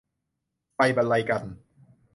ไฟบรรลัยกัลป์